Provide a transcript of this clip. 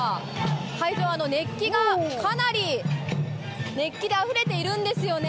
会場、熱気がかなり、熱気であふれているんですよね。